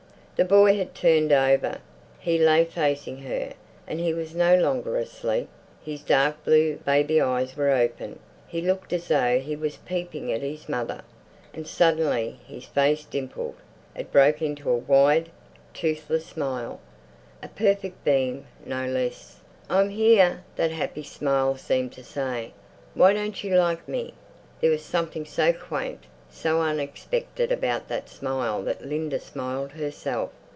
The boy had turned over. He lay facing her, and he was no longer asleep. His dark blue, baby eyes were open; he looked as though he was peeping at his mother. And suddenly his face dimpled; it broke into a wide, toothless smile, a perfect beam, no less. "I'm here!" that happy smile seemed to say. "Why don't you like me?" There was something so quaint, so unexpected about that smile that Linda smiled herself.